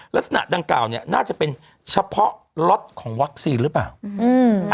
ลักษณะดังกล่าวเนี่ยน่าจะเป็นเฉพาะล็อตของวัคซีนหรือเปล่าอืม